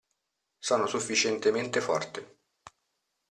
Sono sufficientemente forte.